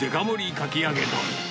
かき揚げ丼。